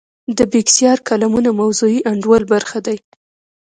د بېکسیار کالمونه موضوعي انډول برخه دي.